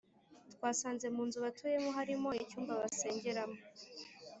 Twasanze munzu batuyemo harimo icyumba basengeramo